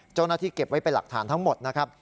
เจ้าหน้าที่เก็บไว้เป็นหลักฐานทั้งหมดนะครับ